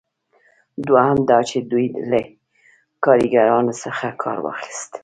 دوهم دا چې دوی له کاریګرانو څخه کار واخیست.